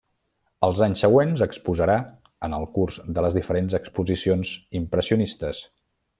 Els anys següents, exposarà en el curs de les diferents exposicions impressionistes.